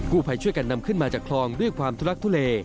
ผู้ภัยช่วยกันนำขึ้นมาจากคลองด้วยความทุลักทุเล